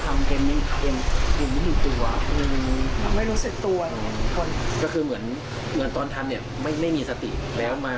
แล้วมาสำนึกได้ตอนที่เห็นหลากเจ็บแล้ว